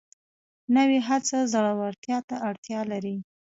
نوې هڅه زړورتیا ته اړتیا لري